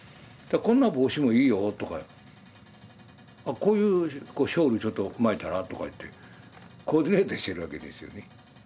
こんな帽子もいいよとかあこういうこうショールちょっと巻いたらとか言ってコーディネートしてるわけですよね。